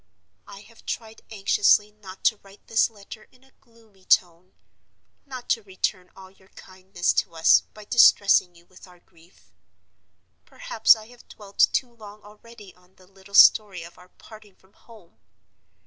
I have tried anxiously not to write this letter in a gloomy tone; not to return all your kindness to us by distressing you with our grief. Perhaps I have dwelt too long already on the little story of our parting from home?